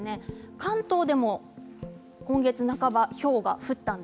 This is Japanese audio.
関東でも今月半ばひょうが降りました。